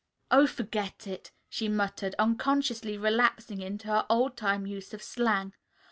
"Oh, forget it," she muttered, unconsciously relapsing into her old time use of slang.